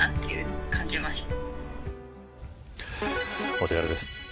お手柄です。